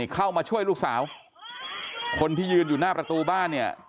เข้ามาช่วยลูกสาวคนที่ยืนอยู่หน้าประตูบ้านเนี่ย